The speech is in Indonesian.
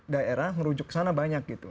daerah merujuk ke sana banyak gitu